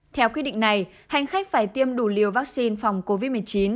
theo quyết định này hành khách phải tiêm đủ liều vaccine phòng covid một mươi chín